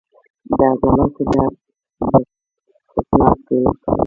د عضلاتو درد لپاره د کوکنارو تېل وکاروئ